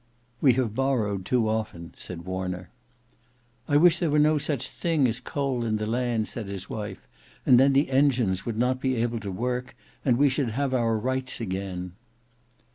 "We have borrowed too often," said Warner. "I wish there were no such thing as coal in the land," said his wife, "and then the engines would not be able to work; and we should have our rights again."